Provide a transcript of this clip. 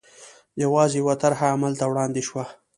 یوازې یوه طرحه عمل ته وړاندې شوه.